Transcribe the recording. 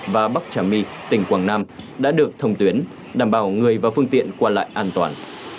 và bắc trà my tỉnh quảng nam đã được thông tuyến đảm bảo người và phương tiện qua lại an toàn